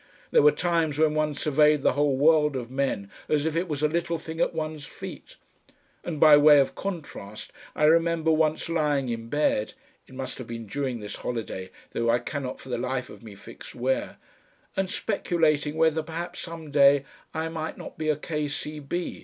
There were times when one surveyed the whole world of men as if it was a little thing at one's feet, and by way of contrast I remember once lying in bed it must have been during this holiday, though I cannot for the life of me fix where and speculating whether perhaps some day I might not be a K. C.